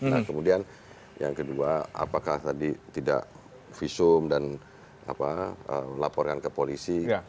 nah kemudian yang kedua apakah tadi tidak visum dan melaporkan ke polisi